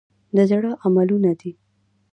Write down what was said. د زړه عملونه دي .